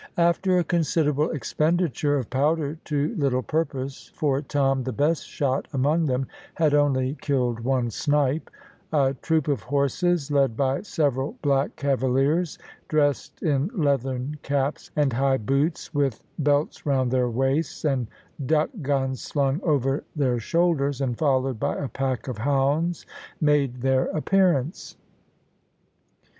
After a considerable expenditure of powder to little purpose, for Tom, the best shot among them, had only killed one snipe, a troop of horses, led by several black cavaliers, dressed in leathern caps and high hoots, with belts round their waists, and duck guns slung over their shoulders, and followed by a pack of hounds, made their appearance.